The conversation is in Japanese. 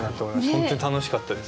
本当に楽しかったです。